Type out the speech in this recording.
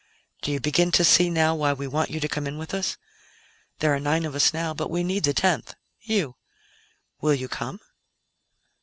"Do you begin to see now why we want you to come in with us? There are nine of us now, but we need the tenth you. Will you come?"